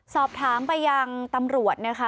สอบถามไปยังตำรวจนะคะ